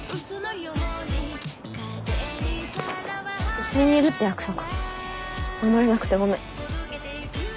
一緒にいるって約束守れなくてごめん。